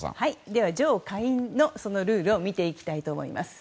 上下院のルールを見ていきたいと思います。